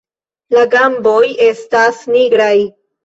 La gamboj estas nigraj.